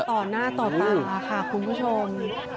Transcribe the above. ต่อหน้าต่อตาค่ะคุณผู้ชม